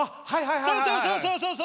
そうそうそうそうそうそうそうそう。